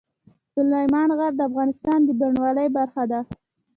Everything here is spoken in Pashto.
سلیمان غر د افغانستان د بڼوالۍ برخه ده.